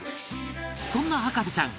そんな博士ちゃん